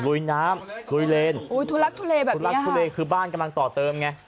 ลุยน้ำลุยเลนทุลักษณ์ทุเลแบบนี้คือบ้านกำลังต่อเติมไง